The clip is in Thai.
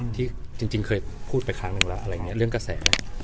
ที่จริงเคยพูดไปครั้งหนึ่งแล้วอะไรอย่างนี้เรื่องกระแส